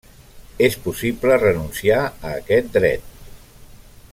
És possible renunciar a aquest dret.